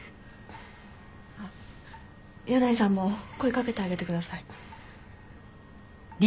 あっ箭内さんも声かけてあげてください。